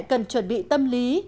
cần chuẩn bị tâm lý